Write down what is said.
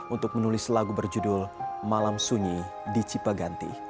untuk menulis lagu berjudul malam sunyi di cipaganti